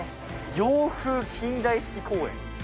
洋風近代式公園？